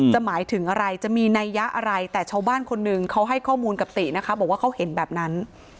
หมายถึงอะไรจะมีนัยยะอะไรแต่ชาวบ้านคนหนึ่งเขาให้ข้อมูลกับตินะคะบอกว่าเขาเห็นแบบนั้น